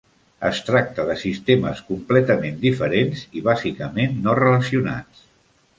Es tracta de sistemes completament diferents i bàsicament no relacionats.